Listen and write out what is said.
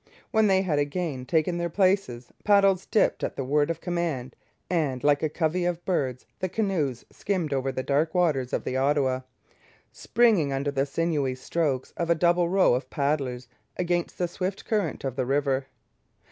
When they had again taken their places, paddles dipped at the word of command, and, like a covey of birds, the canoes skimmed over the dark waters of the Ottawa, springing under the sinewy strokes of a double row of paddlers against the swift current of the river.